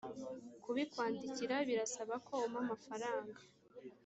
kubikwandikira birasaba ko umpa amafaranga